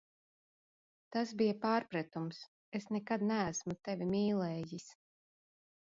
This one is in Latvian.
Tas bija pārpratums, es nekad neesmu Tevi mīlējis!